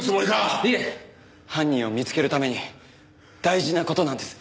いえ犯人を見つけるために大事な事なんです。